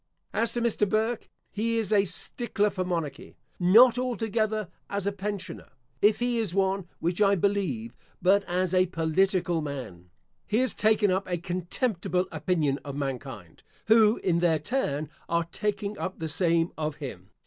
As to Mr. Burke, he is a stickler for monarchy, not altogether as a pensioner, if he is one, which I believe, but as a political man. He has taken up a contemptible opinion of mankind, who, in their turn, are taking up the same of him.